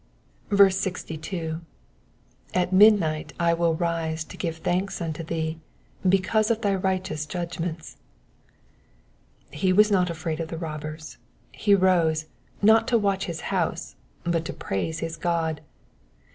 63. ^^At midnight I will rise to give thanks unto thee because of thy righteous judgments.'*^ He was not afraid of the robbers; he rose, not to watch his house, but to praise his God.